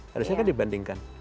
harusnya kan dibandingkan